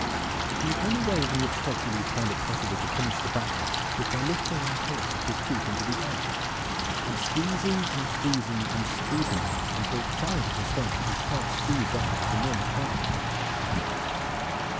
The only way in which Hercules found it possible to finish the battle, was by lifting Antæus off his feet into the air, and squeezing, and squeezing, and squeezing him, until, finally, the strength was quite squeezed out of his enormous body.